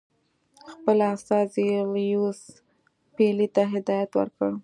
خپل استازي لیویس پیلي ته هدایت ورکړ.